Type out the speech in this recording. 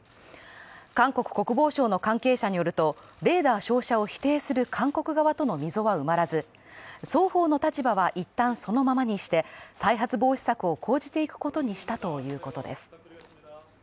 韓国国防省の関係者によるとレーダー照射を否定する韓国側との溝は埋まらずね双方の立場は一旦そのままにして、再発防止策を講じていくことにしたということです。